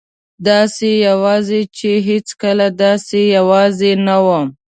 داسې یوازې چې هېڅکله داسې یوازې نه وم.